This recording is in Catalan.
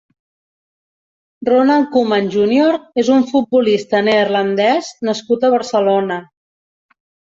Ronald Koeman júnior és un futbolista neerlandès nascut a Barcelona.